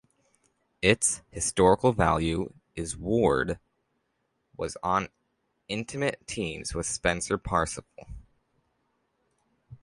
Its historical value is Ward was on intimate terms with Spencer Perceval.